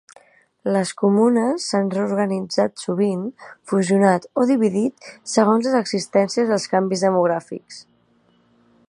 Les comunes s'han reorganitzat sovint, fusionat o dividit segons les exigències dels canvis demogràfics.